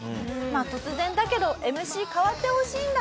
突然だけどＭＣ代わってほしいんだ！